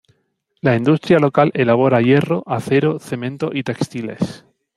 La industria local elabora hierro, acero, cemento y textiles.